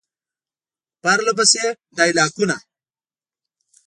پرله پسې ډیالوګونه ،